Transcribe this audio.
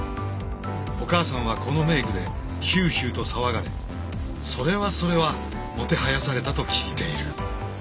お母さんはこのメイクでヒューヒューと騒がれそれはそれはもてはやされたと聞いている。